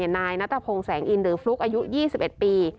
นายนัทพงศ์แสงอินหรือฟลุ๊กอายุ๒๑ปี